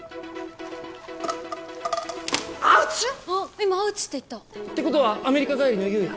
今アウチって言った！ってことはアメリカ帰りの悠也？